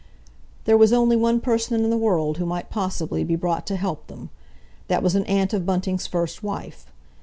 There was only one person in the world who might possibly be brought to help them. That was an aunt of Bunting's first wife.